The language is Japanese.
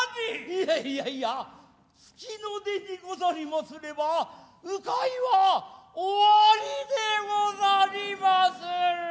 いやいやいや月の出でござりますれば鵜飼は鬼でござりまする。